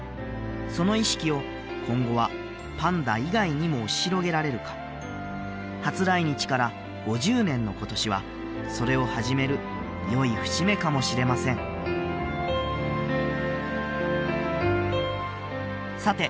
その意識を今後はパンダ以外にも押し広げられるか初来日から５０年の今年はそれを始めるよい節目かもしれませんさて